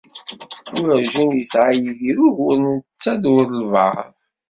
Werǧin yesεa Yidir ugur netta d walbaεḍ.